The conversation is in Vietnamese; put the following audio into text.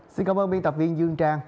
xin cảm ơn biên tập viên dương trang